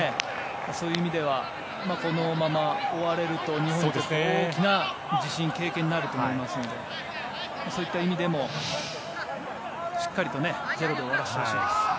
そういう意味ではこのまま終われると日本にとっても大きな自信経験になると思いますのでそういった意味でも、しっかりと０で終わらせてほしいです。